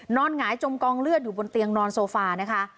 หงายจมกองเลือดอยู่บนเตียงนอนโซฟานะคะ